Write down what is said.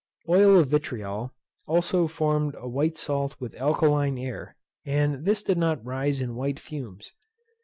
Oil of vitriol, also formed a white salt with alkaline air, and this did not rise in white fumes.